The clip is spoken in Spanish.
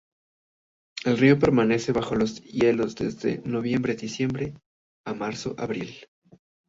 El río permanece bajo los hielos desde noviembre-diciembre a marzo-abril.